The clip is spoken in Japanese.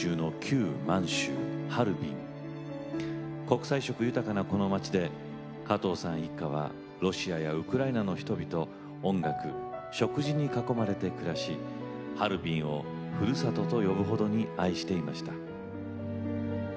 国際色豊かなこの街で加藤さん一家はロシアやウクライナの人々音楽食事に囲まれて暮らしハルビンをふるさとと呼ぶほどに愛していました。